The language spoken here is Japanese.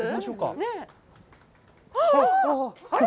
ああ！